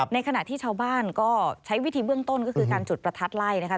ในขณะที่ชาวบ้านก็ใช้วิธีเบื้องต้นก็คือการจุดประทัดไล่นะคะ